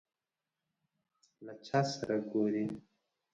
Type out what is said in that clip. له چا سره ګورې ؟